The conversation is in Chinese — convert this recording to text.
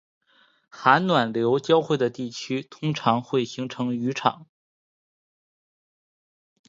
寒暖流交汇的地区通常会形成渔场